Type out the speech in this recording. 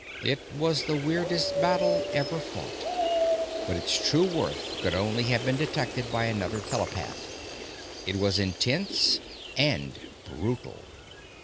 It was the weirdest battle ever fought, but its true worth could only have been detected by another telepath. It was intense and brutal.